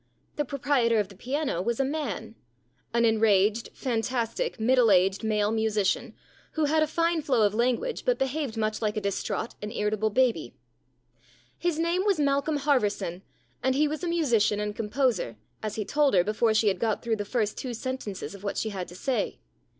The proprietor of the piano was a man an enraged, fantastic, middle aged, male musician, who had a fine flow of language, but behaved much like a distraught and irritable baby. His name was Malcolm Harverson, and he was a musician and composer, as he told her before she had got through the first two sentences of what she had to say.